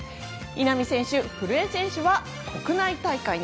稲見選手、古江選手は国内大会に。